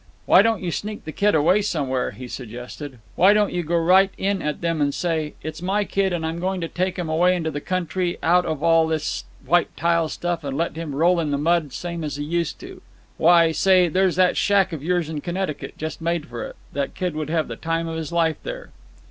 "Why don't you sneak the kid away somewhere?" he suggested. "Why don't you go right in at them and say: 'It's my kid, and I'm going to take him away into the country out of all this white tile stuff and let him roll in the mud same as he used to.' Why, say, there's that shack of yours in Connecticut, just made for it. That kid would have the time of his life there."